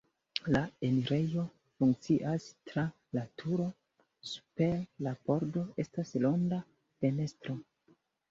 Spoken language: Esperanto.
La enirejo funkcias tra la turo, super la pordo estas ronda fenestro.